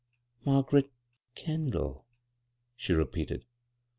"' Margaret Ken dall,' " she repeated.